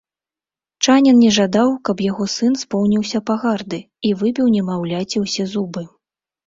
Чанін не жадаў, каб яго сын споўніўся пагарды, і выбіў немаўляці ўсе зубы.